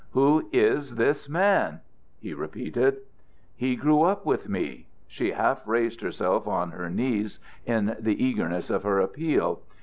"Who is this man?" he repeated. "He grew up with me." She half raised herself on her knees in the eagerness of her appeal.